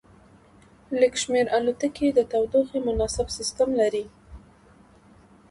لږ شمیر الوتکې د تودوخې مناسب سیستم لري